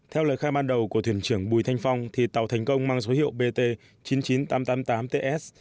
theo lời khai ban đầu của thuyền trưởng bùi thanh phong thành công mang số hiệu bt chín mươi chín nghìn tám trăm tám mươi tám ts